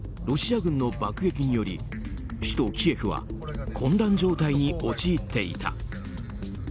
ロシア軍の爆撃により首都キエフは混乱状態に陥っていた。